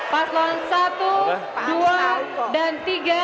paslon satu dua dan tiga